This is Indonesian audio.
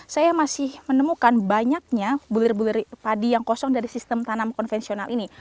saya masih menemukan banyaknya bulir bulir padi yang kosong dari sistem tanam konvensional ini